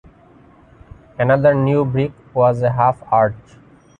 Another new brick was a half arch.